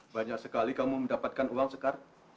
banyak sekali kamu mendapatkan uang sekar